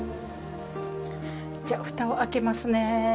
じゃふたを開けますね。